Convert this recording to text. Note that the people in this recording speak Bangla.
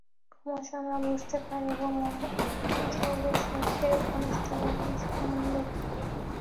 ক্রমশ আমরা বুঝিতে পারিব, মন শরীরের সহিত কিরূপ ঘনিষ্ঠভাবে সম্বন্ধ।